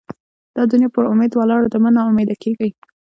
دا دونیا پر اُمید ولاړه ده؛ مه نااميده کېږئ!